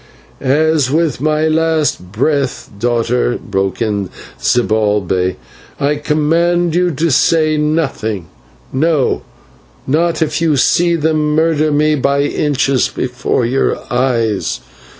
"As with my last breath, daughter," broke in Zibalbay, "I command you to say nothing, no, not if you see them murder me by inches before your eyes."